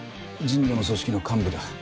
神野の組織の幹部だ。